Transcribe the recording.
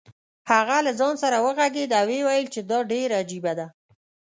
هغه له ځان سره وغږېد او ویې ویل چې دا ډېره عجیبه ده.